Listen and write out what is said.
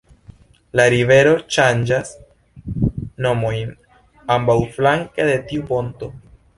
La rivero ŝanĝas nomojn ambaŭflanke de tiu ponto.